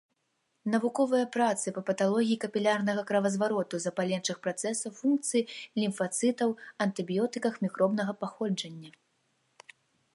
Навуковыя працы па паталогіі капілярнага кровазвароту, запаленчых працэсах, функцыі лімфацытаў, антыбіётыках мікробнага паходжання.